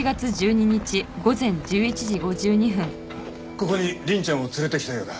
ここに凛ちゃんを連れてきたようだ。